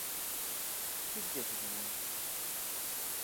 Que fixeches no mundo?